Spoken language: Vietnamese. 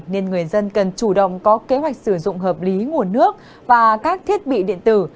nên người dân cần chủ động có kế hoạch sử dụng hợp lý nguồn nước và các thiết bị điện tử